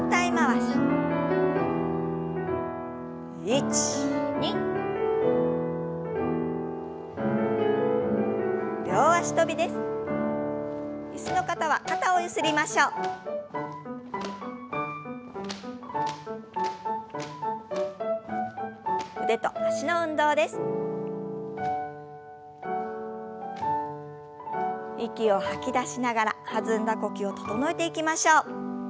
息を吐き出しながら弾んだ呼吸を整えていきましょう。